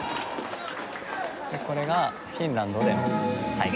これがフィンランドで大会。